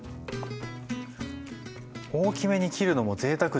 大きめに切るのもぜいたくでいいですね。